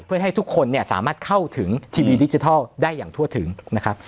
เพื่อให้ทุกคนเนี่ยสามารถเข้าถึงทีวีดิจิทัลได้อย่างทั่วถึงนะครับ